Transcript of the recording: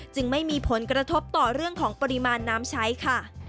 ไม่มีผลกระทบต่อเรื่องของปริมาณน้ำใช้ค่ะ